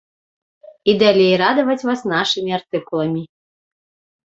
І далей радаваць вас нашымі артыкуламі.